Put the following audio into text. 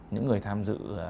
những người tham dự